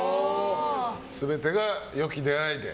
全てが良き出会いで。